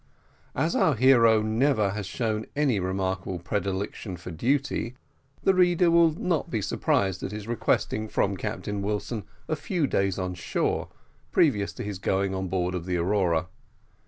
As our hero never has shown any remarkable predilection for duty, the reader will not be surprised at his requesting from Captain Wilson a few days on shore, previous to his going on board of the Aurora.